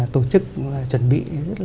tổ chức chuẩn bị